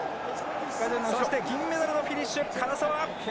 そして銀メダルのフィニッシュ唐澤。